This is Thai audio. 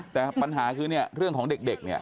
แต่ปัญหาคือเนี่ยเรื่องของเด็กเนี่ย